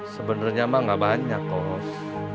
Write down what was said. sebenarnya mah gak banyak kos